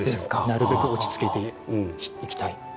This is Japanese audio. なるべく落ち着けていきたい。